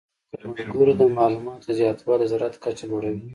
د کروندګرو د معلوماتو زیاتوالی د زراعت کچه لوړه وي.